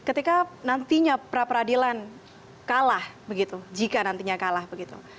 ketika nantinya pra peradilan kalah begitu jika nantinya kalah begitu